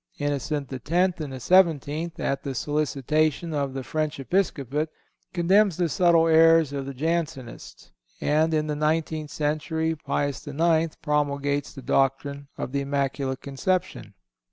Innocent X., in the seventeenth, at the solicitation of the French Episcopate, condemns the subtle errors of the Jansenists, and in the nineteenth century Pius IX. promulgates the doctrine of the Immaculate Conception.